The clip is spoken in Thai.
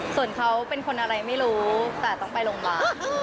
ส่วนเขาเป็นคนอะไรไม่รู้แต่ต้องไปโรงพยาบาล